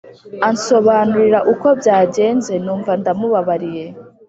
ansobanurira uko byagenze, numva ndamubabariye